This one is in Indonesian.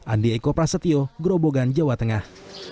andi eko prasetyo grobogan jawa tengah